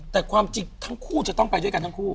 แต่ความจริงทั้งคู่จะต้องไปด้วยกันทั้งคู่